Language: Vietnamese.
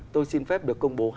tôi xin phép được công bố